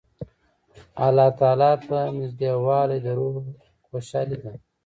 الله ته نېږدېوالی د روح خوشحالي ده.